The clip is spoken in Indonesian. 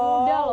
gak mudah loh